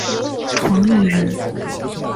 王羽人。